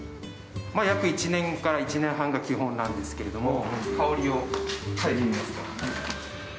約１年から１年半が基本なんですけれども香りを嗅いでみますか？